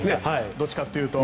どちらかというと。